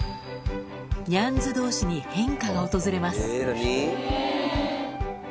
ニャンズどうしに変化が訪れます。